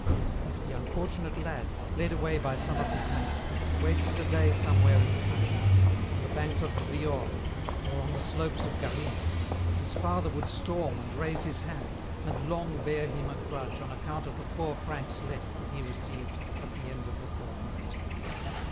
If the unfortunate lad, led away by some of his mates, wasted a day somewhere in the country, on the banks of the Viorne, or on the slopes of Garrigues, his father would storm and raise his hand, and long bear him a grudge on account of the four francs less that he received at the end of the fortnight.